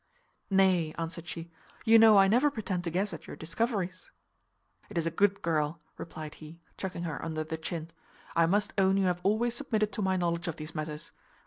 "Nay," answered she, "you know I never pretend to guess at your discoveries." "It is a good girl," replied he, chucking her under the chin; "I must own you have always submitted to my knowledge of these matters.